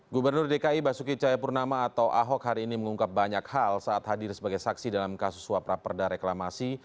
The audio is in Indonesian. gubernur dki basuki cahayapurnama atau ahok hari ini mengungkap banyak hal saat hadir sebagai saksi dalam kasus suap raperda reklamasi